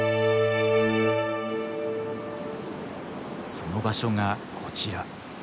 その場所がこちら。